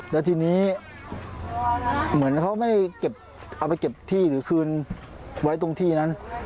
แล้วทีนี้เหมือนเขาไม่ได้เก็บเอาไปเก็บที่หรือคืนไว้ตรงที่นั้น